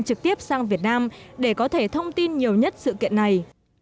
trực tiếp sang việt nam để có thể thông tin nhiều nhất sự kiện này